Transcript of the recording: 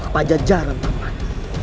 pada jajaran paman